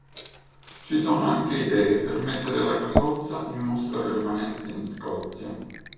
Ci sono anche idee per mettere la carrozza in mostra permanente in Scozia.